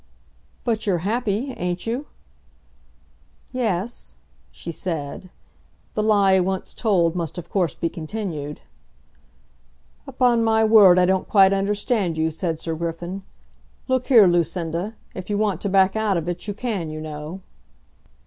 "But you're happy; ain't you?" "Yes," she said. The lie once told must of course be continued. "Upon my word, I don't quite understand you," said Sir Griffin. "Look here, Lucinda; if you want to back out of it, you can, you know."